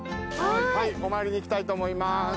はいお参りに行きたいと思います。